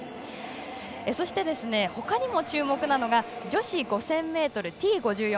そして、ほかにも注目なのが女子５０００ｍＴ５４